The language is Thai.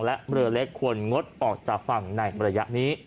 และเรือเล็กควรงดออกจากฝั่งในระยะนี้